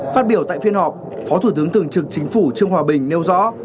phát biểu tại phiên họp phó thủ tướng thường trực chính phủ trương hòa bình nêu rõ